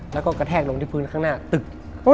แล้วก็กระแทกลงที่พื้นข้างหน้าตึก